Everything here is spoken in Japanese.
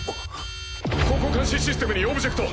航行監視システムにオブジェクト。